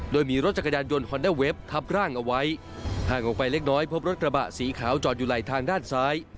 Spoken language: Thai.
โดยมีรถจักรยานยนต์ฮอนเดอร์เว็บทับร่างเอาไว้ห่างออกไปเล็กน้อยพบรถกระบะสีขาวจอดอยู่ไหลทางด้านซ้าย